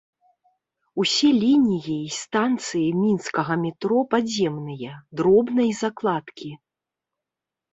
Усе лініі і станцыі мінскага метро падземныя, дробнай закладкі.